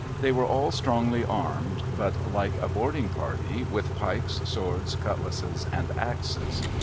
They were all strongly armed, but like a boarding party, with pikes, swords, cutlasses, and axes.